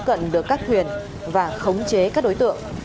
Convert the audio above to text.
lực lượng công an đã được cắt thuyền và khống chế các đối tượng